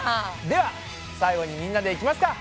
では最後にみんなでいきますか。